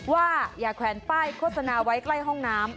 ว่าอย่าแขวนป้ายโฆษณาไว้ใกล้ห้องน้ำ